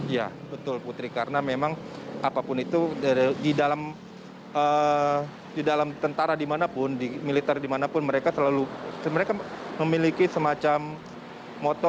ya betul putri karena memang apapun itu di dalam tentara dimanapun di militer dimanapun mereka selalu mereka memiliki semacam moto